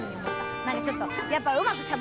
何かちょっとやっぱうまく喋れない。